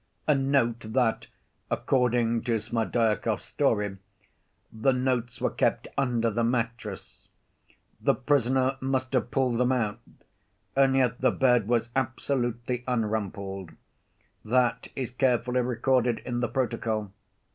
Note, that according to Smerdyakov's story the notes were kept under the mattress; the prisoner must have pulled them out, and yet the bed was absolutely unrumpled; that is carefully recorded in the protocol.